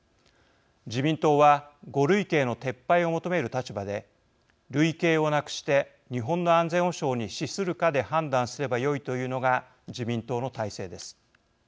自民党は５類型の撤廃を求める立場で類型をなくして日本の安全保障に資するかで判断すればよいというのが自民党の大勢です。